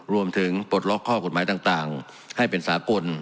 ปลดล็อกข้อกฎหมายต่างให้เป็นสากล